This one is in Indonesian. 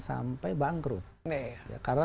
sampai bangkrut karena